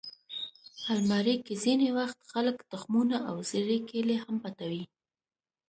الماري کې ځینې وخت خلک تخمونه او زړې کیلې هم پټوي